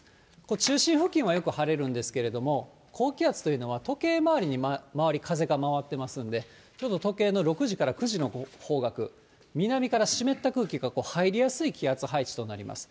中心付近はよく晴れるんですけれども、高気圧というのは、時計回りに周り、風が回っていますので、ちょっと時計の６時から９時の方角、南から湿った空気が入りやすい気圧配置となります。